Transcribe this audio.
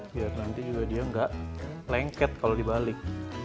biar nanti juga dia nggak lengket kalau dibalik